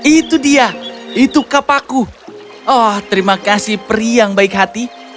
itu dia itu kapaku oh terima kasih peri yang baik hati